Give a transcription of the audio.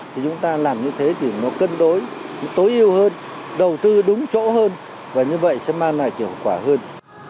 thì chúng ta làm như thế thì nó cân đối tối ưu hơn đầu tư đúng chỗ hơn và như vậy sẽ mang lại hiệu quả hơn